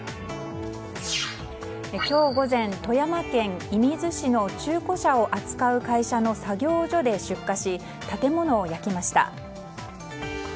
今日午前、富山県射水市の中古車を扱う会社の作業所で出火し建物を焼きました。